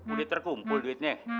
mulai terkumpul duitnya